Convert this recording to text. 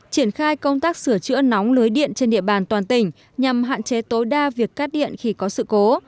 triển khai công tác sửa chữa nóng lưới điện trên địa bàn toàn tỉnh nhằm hạn chế tối đa việc cắt điện khi có sự cố